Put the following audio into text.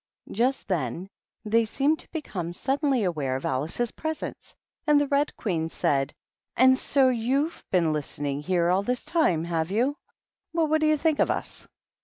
Just then they seemed to become suddenly aware of Alice's presence, and the Red Queen said, " And so you^ve been listening here all this time, have you? Well, what do you think of us?"